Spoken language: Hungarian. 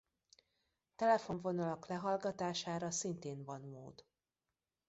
Telefonvonalak lehallgatására szintén van mód.